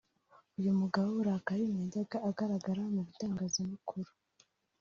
uyu mugabo Burakari ntiyajyaga agaragara mu bitangazamakuru